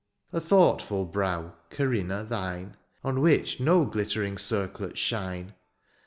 A thoughtful brow, Corinna, thine. On which no glittering circlets shine.